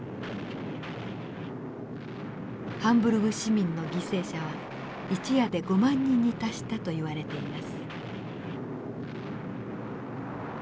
ハンブルグ市民の犠牲者は一夜で５万人に達したといわれています。